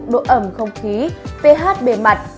độ ẩm không khí ph bề mặt